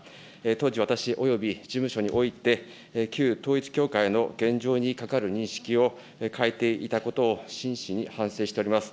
当時私および事務所において、旧統一教会の現状にかかる認識を欠いていたことを真摯に反省しております。